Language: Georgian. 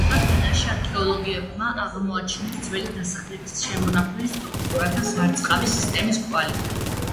ამ ფენაში არქეოლოგებმა აღმოაჩინეს ძველი დასახლების შემონახული სტრუქტურა და სარწყავი სისტემის კვალი.